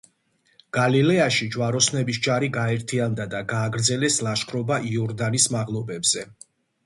გალილეაში ჯვაროსნების ჯარი გაერთიანდა და გააგრძელეს ლაშქრობა იორდანის მაღლობებზე.